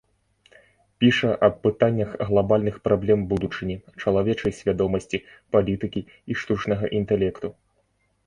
Піша аб пытаннях глабальных праблем будучыні, чалавечай свядомасці, палітыкі і штучнага інтэлекту.